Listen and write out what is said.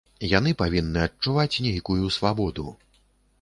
Яны павінны адчуваць нейкую свабоду.